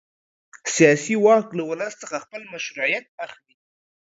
سیاسي واک له ولس څخه خپل مشروعیت اخلي.